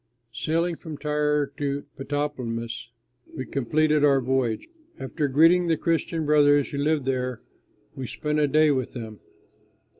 Sailing from Tyre to Ptolemais, we completed our voyage. After greeting the Christian brothers who lived there, we spent a day with them.